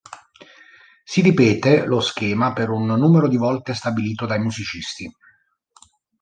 Si ripete lo schema per un numero di volte stabilito dai musicisti.